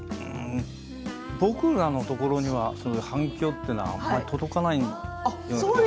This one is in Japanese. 僕らのところには反響というのはあまり届かないような気が。